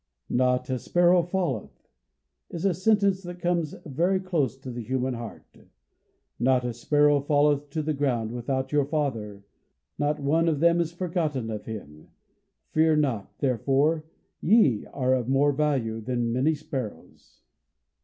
"Not a sparrow falleth" is a sentence that comes very close to the human heart. "Not a sparrow falleth to the ground without your Father. Not one of them is forgotten of Him. Fear not, therefore. Ye are of more value than many sparrows."